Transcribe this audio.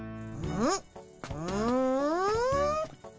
うん。